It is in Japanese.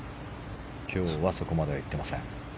今日はそこまでは行ってません。